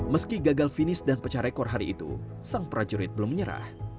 meski gagal finish dan pecah rekor hari itu sang prajurit belum menyerah